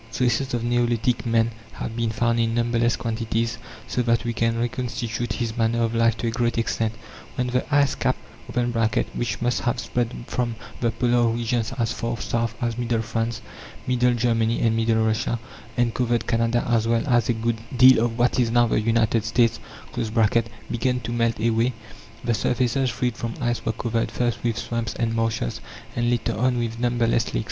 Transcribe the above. Traces of neolithic man have been found in numberless quantities, so that we can reconstitute his manner of life to a great extent. When the ice cap (which must have spread from the Polar regions as far south as middle France, middle Germany, and middle Russia, and covered Canada as well as a good deal of what is now the United States) began to melt away, the surfaces freed from ice were covered, first, with swamps and marshes, and later on with numberless lakes.